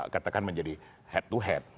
katakan menjadi head to head